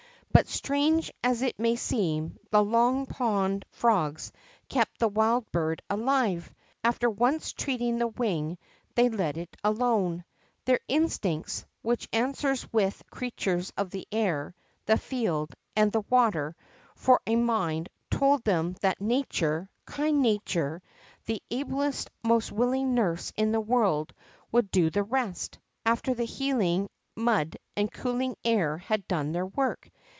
But, strange as it may seem, the Long Pond frogs kept the wild bird alive. After once treating the wing they let it alone. Their instincts, which answers with creatures of the air, the field, and the water, for a mind, told them that I^ature, kind Hatnre, the ablest, most willing nurse in the world, would do the rest, after the healing mud and cooling air had done their work.